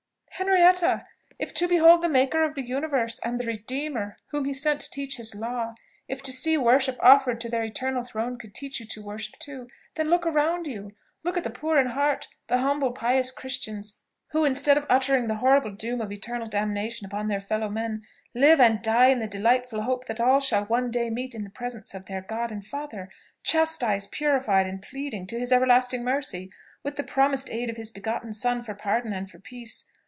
"Henrietta! If to behold the Maker of the universe, and the Redeemer whom he sent to teach his law if to see worship offered to their eternal throne could teach you to worship too, then look around you. Look at the poor in heart, the humble, pious Christians who, instead of uttering the horrible doom of eternal damnation upon their fellow men, live and die in the delightful hope that all shall one day meet in the presence of their God and Father, chastised, purified, and pleading, to his everlasting mercy, with the promised aid of his begotten Son, for pardon and for peace.